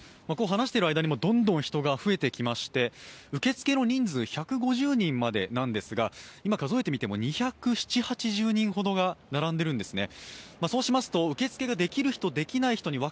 話している間にもどんどん人が増えてきまして受け付けの人数、１５０人までなんですが今数えてみても、２７０２８０人ほどが並んでいるんですね。